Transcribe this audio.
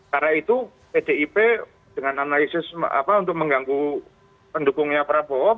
karena itu pdip dengan analisis untuk mengganggu pendukungnya prabowo